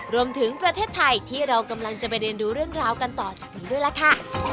รวมถึงประเทศไทยที่เรากำลังจะไปเรียนดูเรื่องราวกันต่อจากนี้ด้วยล่ะค่ะ